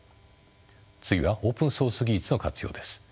次はオープンソース技術の活用です。